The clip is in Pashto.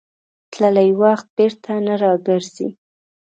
تللی وخت بېرته نه راګرځي.